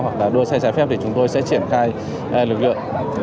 hoặc là đua xe trái phép thì chúng tôi sẽ triển khai lực lượng